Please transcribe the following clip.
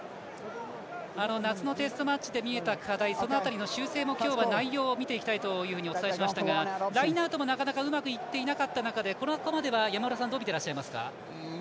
夏のテストマッチで見えた課題、その辺りの修正も今日は内容を見ていきたいというふうにお伝えしましたがラインアウトも、なかなかうまくいっていなかった中でここまでは山村さんどう見てらっしゃいますか？